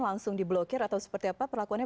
langsung diblokir atau seperti apa perlakuannya